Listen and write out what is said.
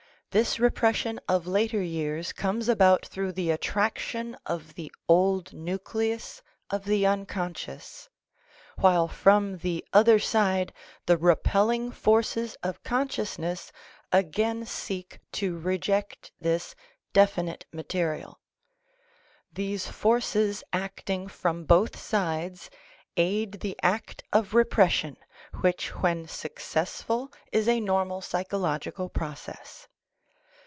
This repression of later years comes about through the attraction of the old nucleus of the unconscious, while from the other side the repelling forces of consciousness again seek to reject this definite material. These forces acting from both sides aid the act of repression which when successful is a normal psychological process.